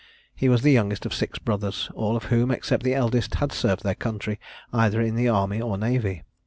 He was the youngest of six brothers, all of whom, except the eldest, had served their country, either in the army or navy.